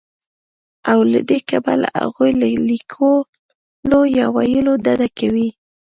او له دې کبله هغوی له ليکلو يا ويلو ډډه کوي